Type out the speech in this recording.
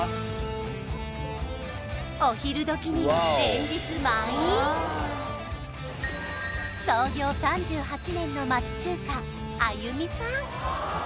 お昼時には連日満員創業３８年の町中華歩味さん